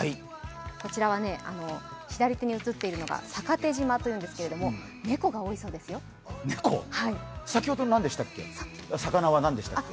こちらは左手に映っているのが坂手島というんですが先ほど魚は何でしたっけ？